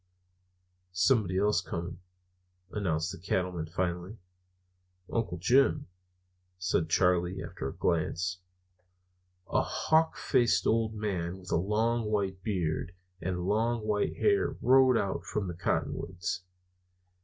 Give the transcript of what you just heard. "Somebody else coming," announced the Cattleman finally. "Uncle Jim," said Charley, after a glance. A hawk faced old man with a long white beard and long white hair rode out from the cottonwoods.